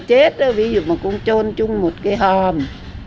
chết đó ví dụ mà cũng trôn chung một cái hòm